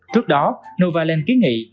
trước đó novaland kiến nghị